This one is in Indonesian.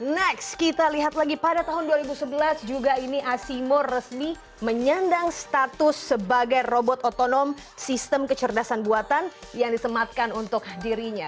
next kita lihat lagi pada tahun dua ribu sebelas juga ini asimo resmi menyandang status sebagai robot otonom sistem kecerdasan buatan yang disematkan untuk dirinya